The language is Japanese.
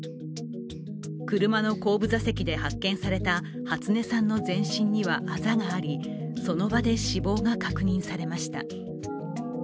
車の後部座席で発見された初音さんの全身にはあざがありその場で死亡が確認されました。